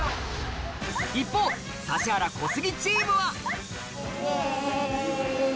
一方指原＆小杉チームはイェイ！